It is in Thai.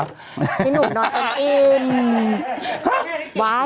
ที่หนุ่มนอนเต็มอิ่ม